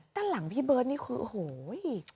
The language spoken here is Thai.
ด้านหลังพี่เบิร์ตนี่คือโอ้โห